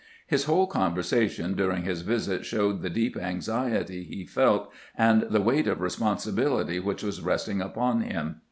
His whole conversation during his visit showed the deep anxiety he felt and the weight of responsibility which was resting upon him.